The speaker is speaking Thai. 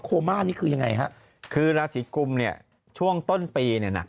มานี่คือยังไงฮะคือราศีกุมเนี่ยช่วงต้นปีเนี่ยหนัก